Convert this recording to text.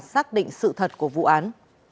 xác định sự thật của vụ án